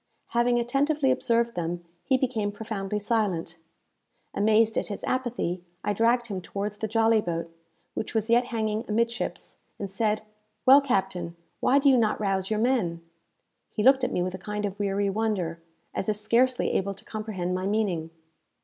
Having attentively observed them, he became profoundly silent. Amazed at his apathy, I dragged him towards the jolly boat, which was yet hanging amid ships, and said, "Well, captain, why do you not rouse your men?" He looked at me with a kind of weary wonder, as if scarcely able to comprehend my meaning.